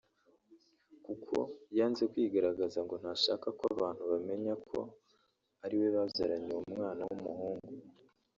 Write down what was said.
kuko yanze kwigaragaza ngo ntashaka ko abantu bamenya ko ari we babyaranye uwo mwana w’umuhungu